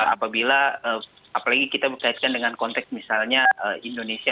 apabila apalagi kita berkaitan dengan konteks misalnya indonesia